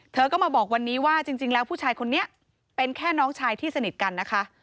เธอก็มาบอกวันนี้ว่าจริงแล้วผู้ชายคนนี้เป็นแค่น้องชายที่สนิทกันนะคะ